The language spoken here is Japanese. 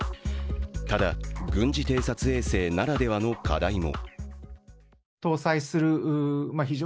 ただ、軍事偵察衛星ならではの課題も。